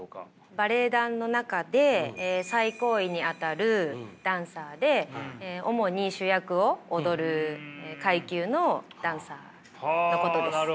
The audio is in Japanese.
バレエ団の中で最高位にあたるダンサーで主に主役を踊る階級のダンサーのことです。